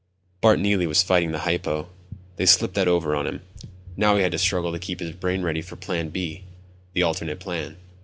_ Bart Neely was fighting the hypo. They'd slipped that over on him. Now he had to struggle to keep his brain ready for plan B. The alternate plan.